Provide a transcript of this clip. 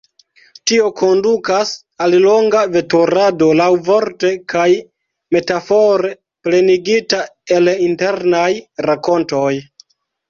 Tio kondukas al longa veturado, laŭvorte kaj metafore, plenigita el internaj rakontoj.